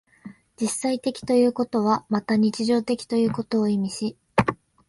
実際的ということはまた日常的ということを意味し、